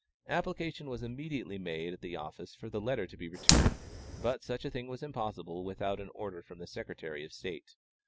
Application was immediately made at the office for the letter to be returned, but such a thing was impossible without an order from the Secretary of State.